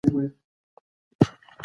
ماشوم تر اوسه په خپله ژبه لوستل کړي دي.